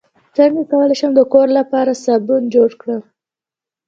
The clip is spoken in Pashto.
څنګه کولی شم د کور لپاره صابن جوړ کړم